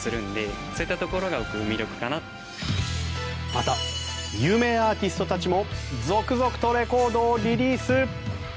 また有名アーティストたちも続々とレコードをリリース。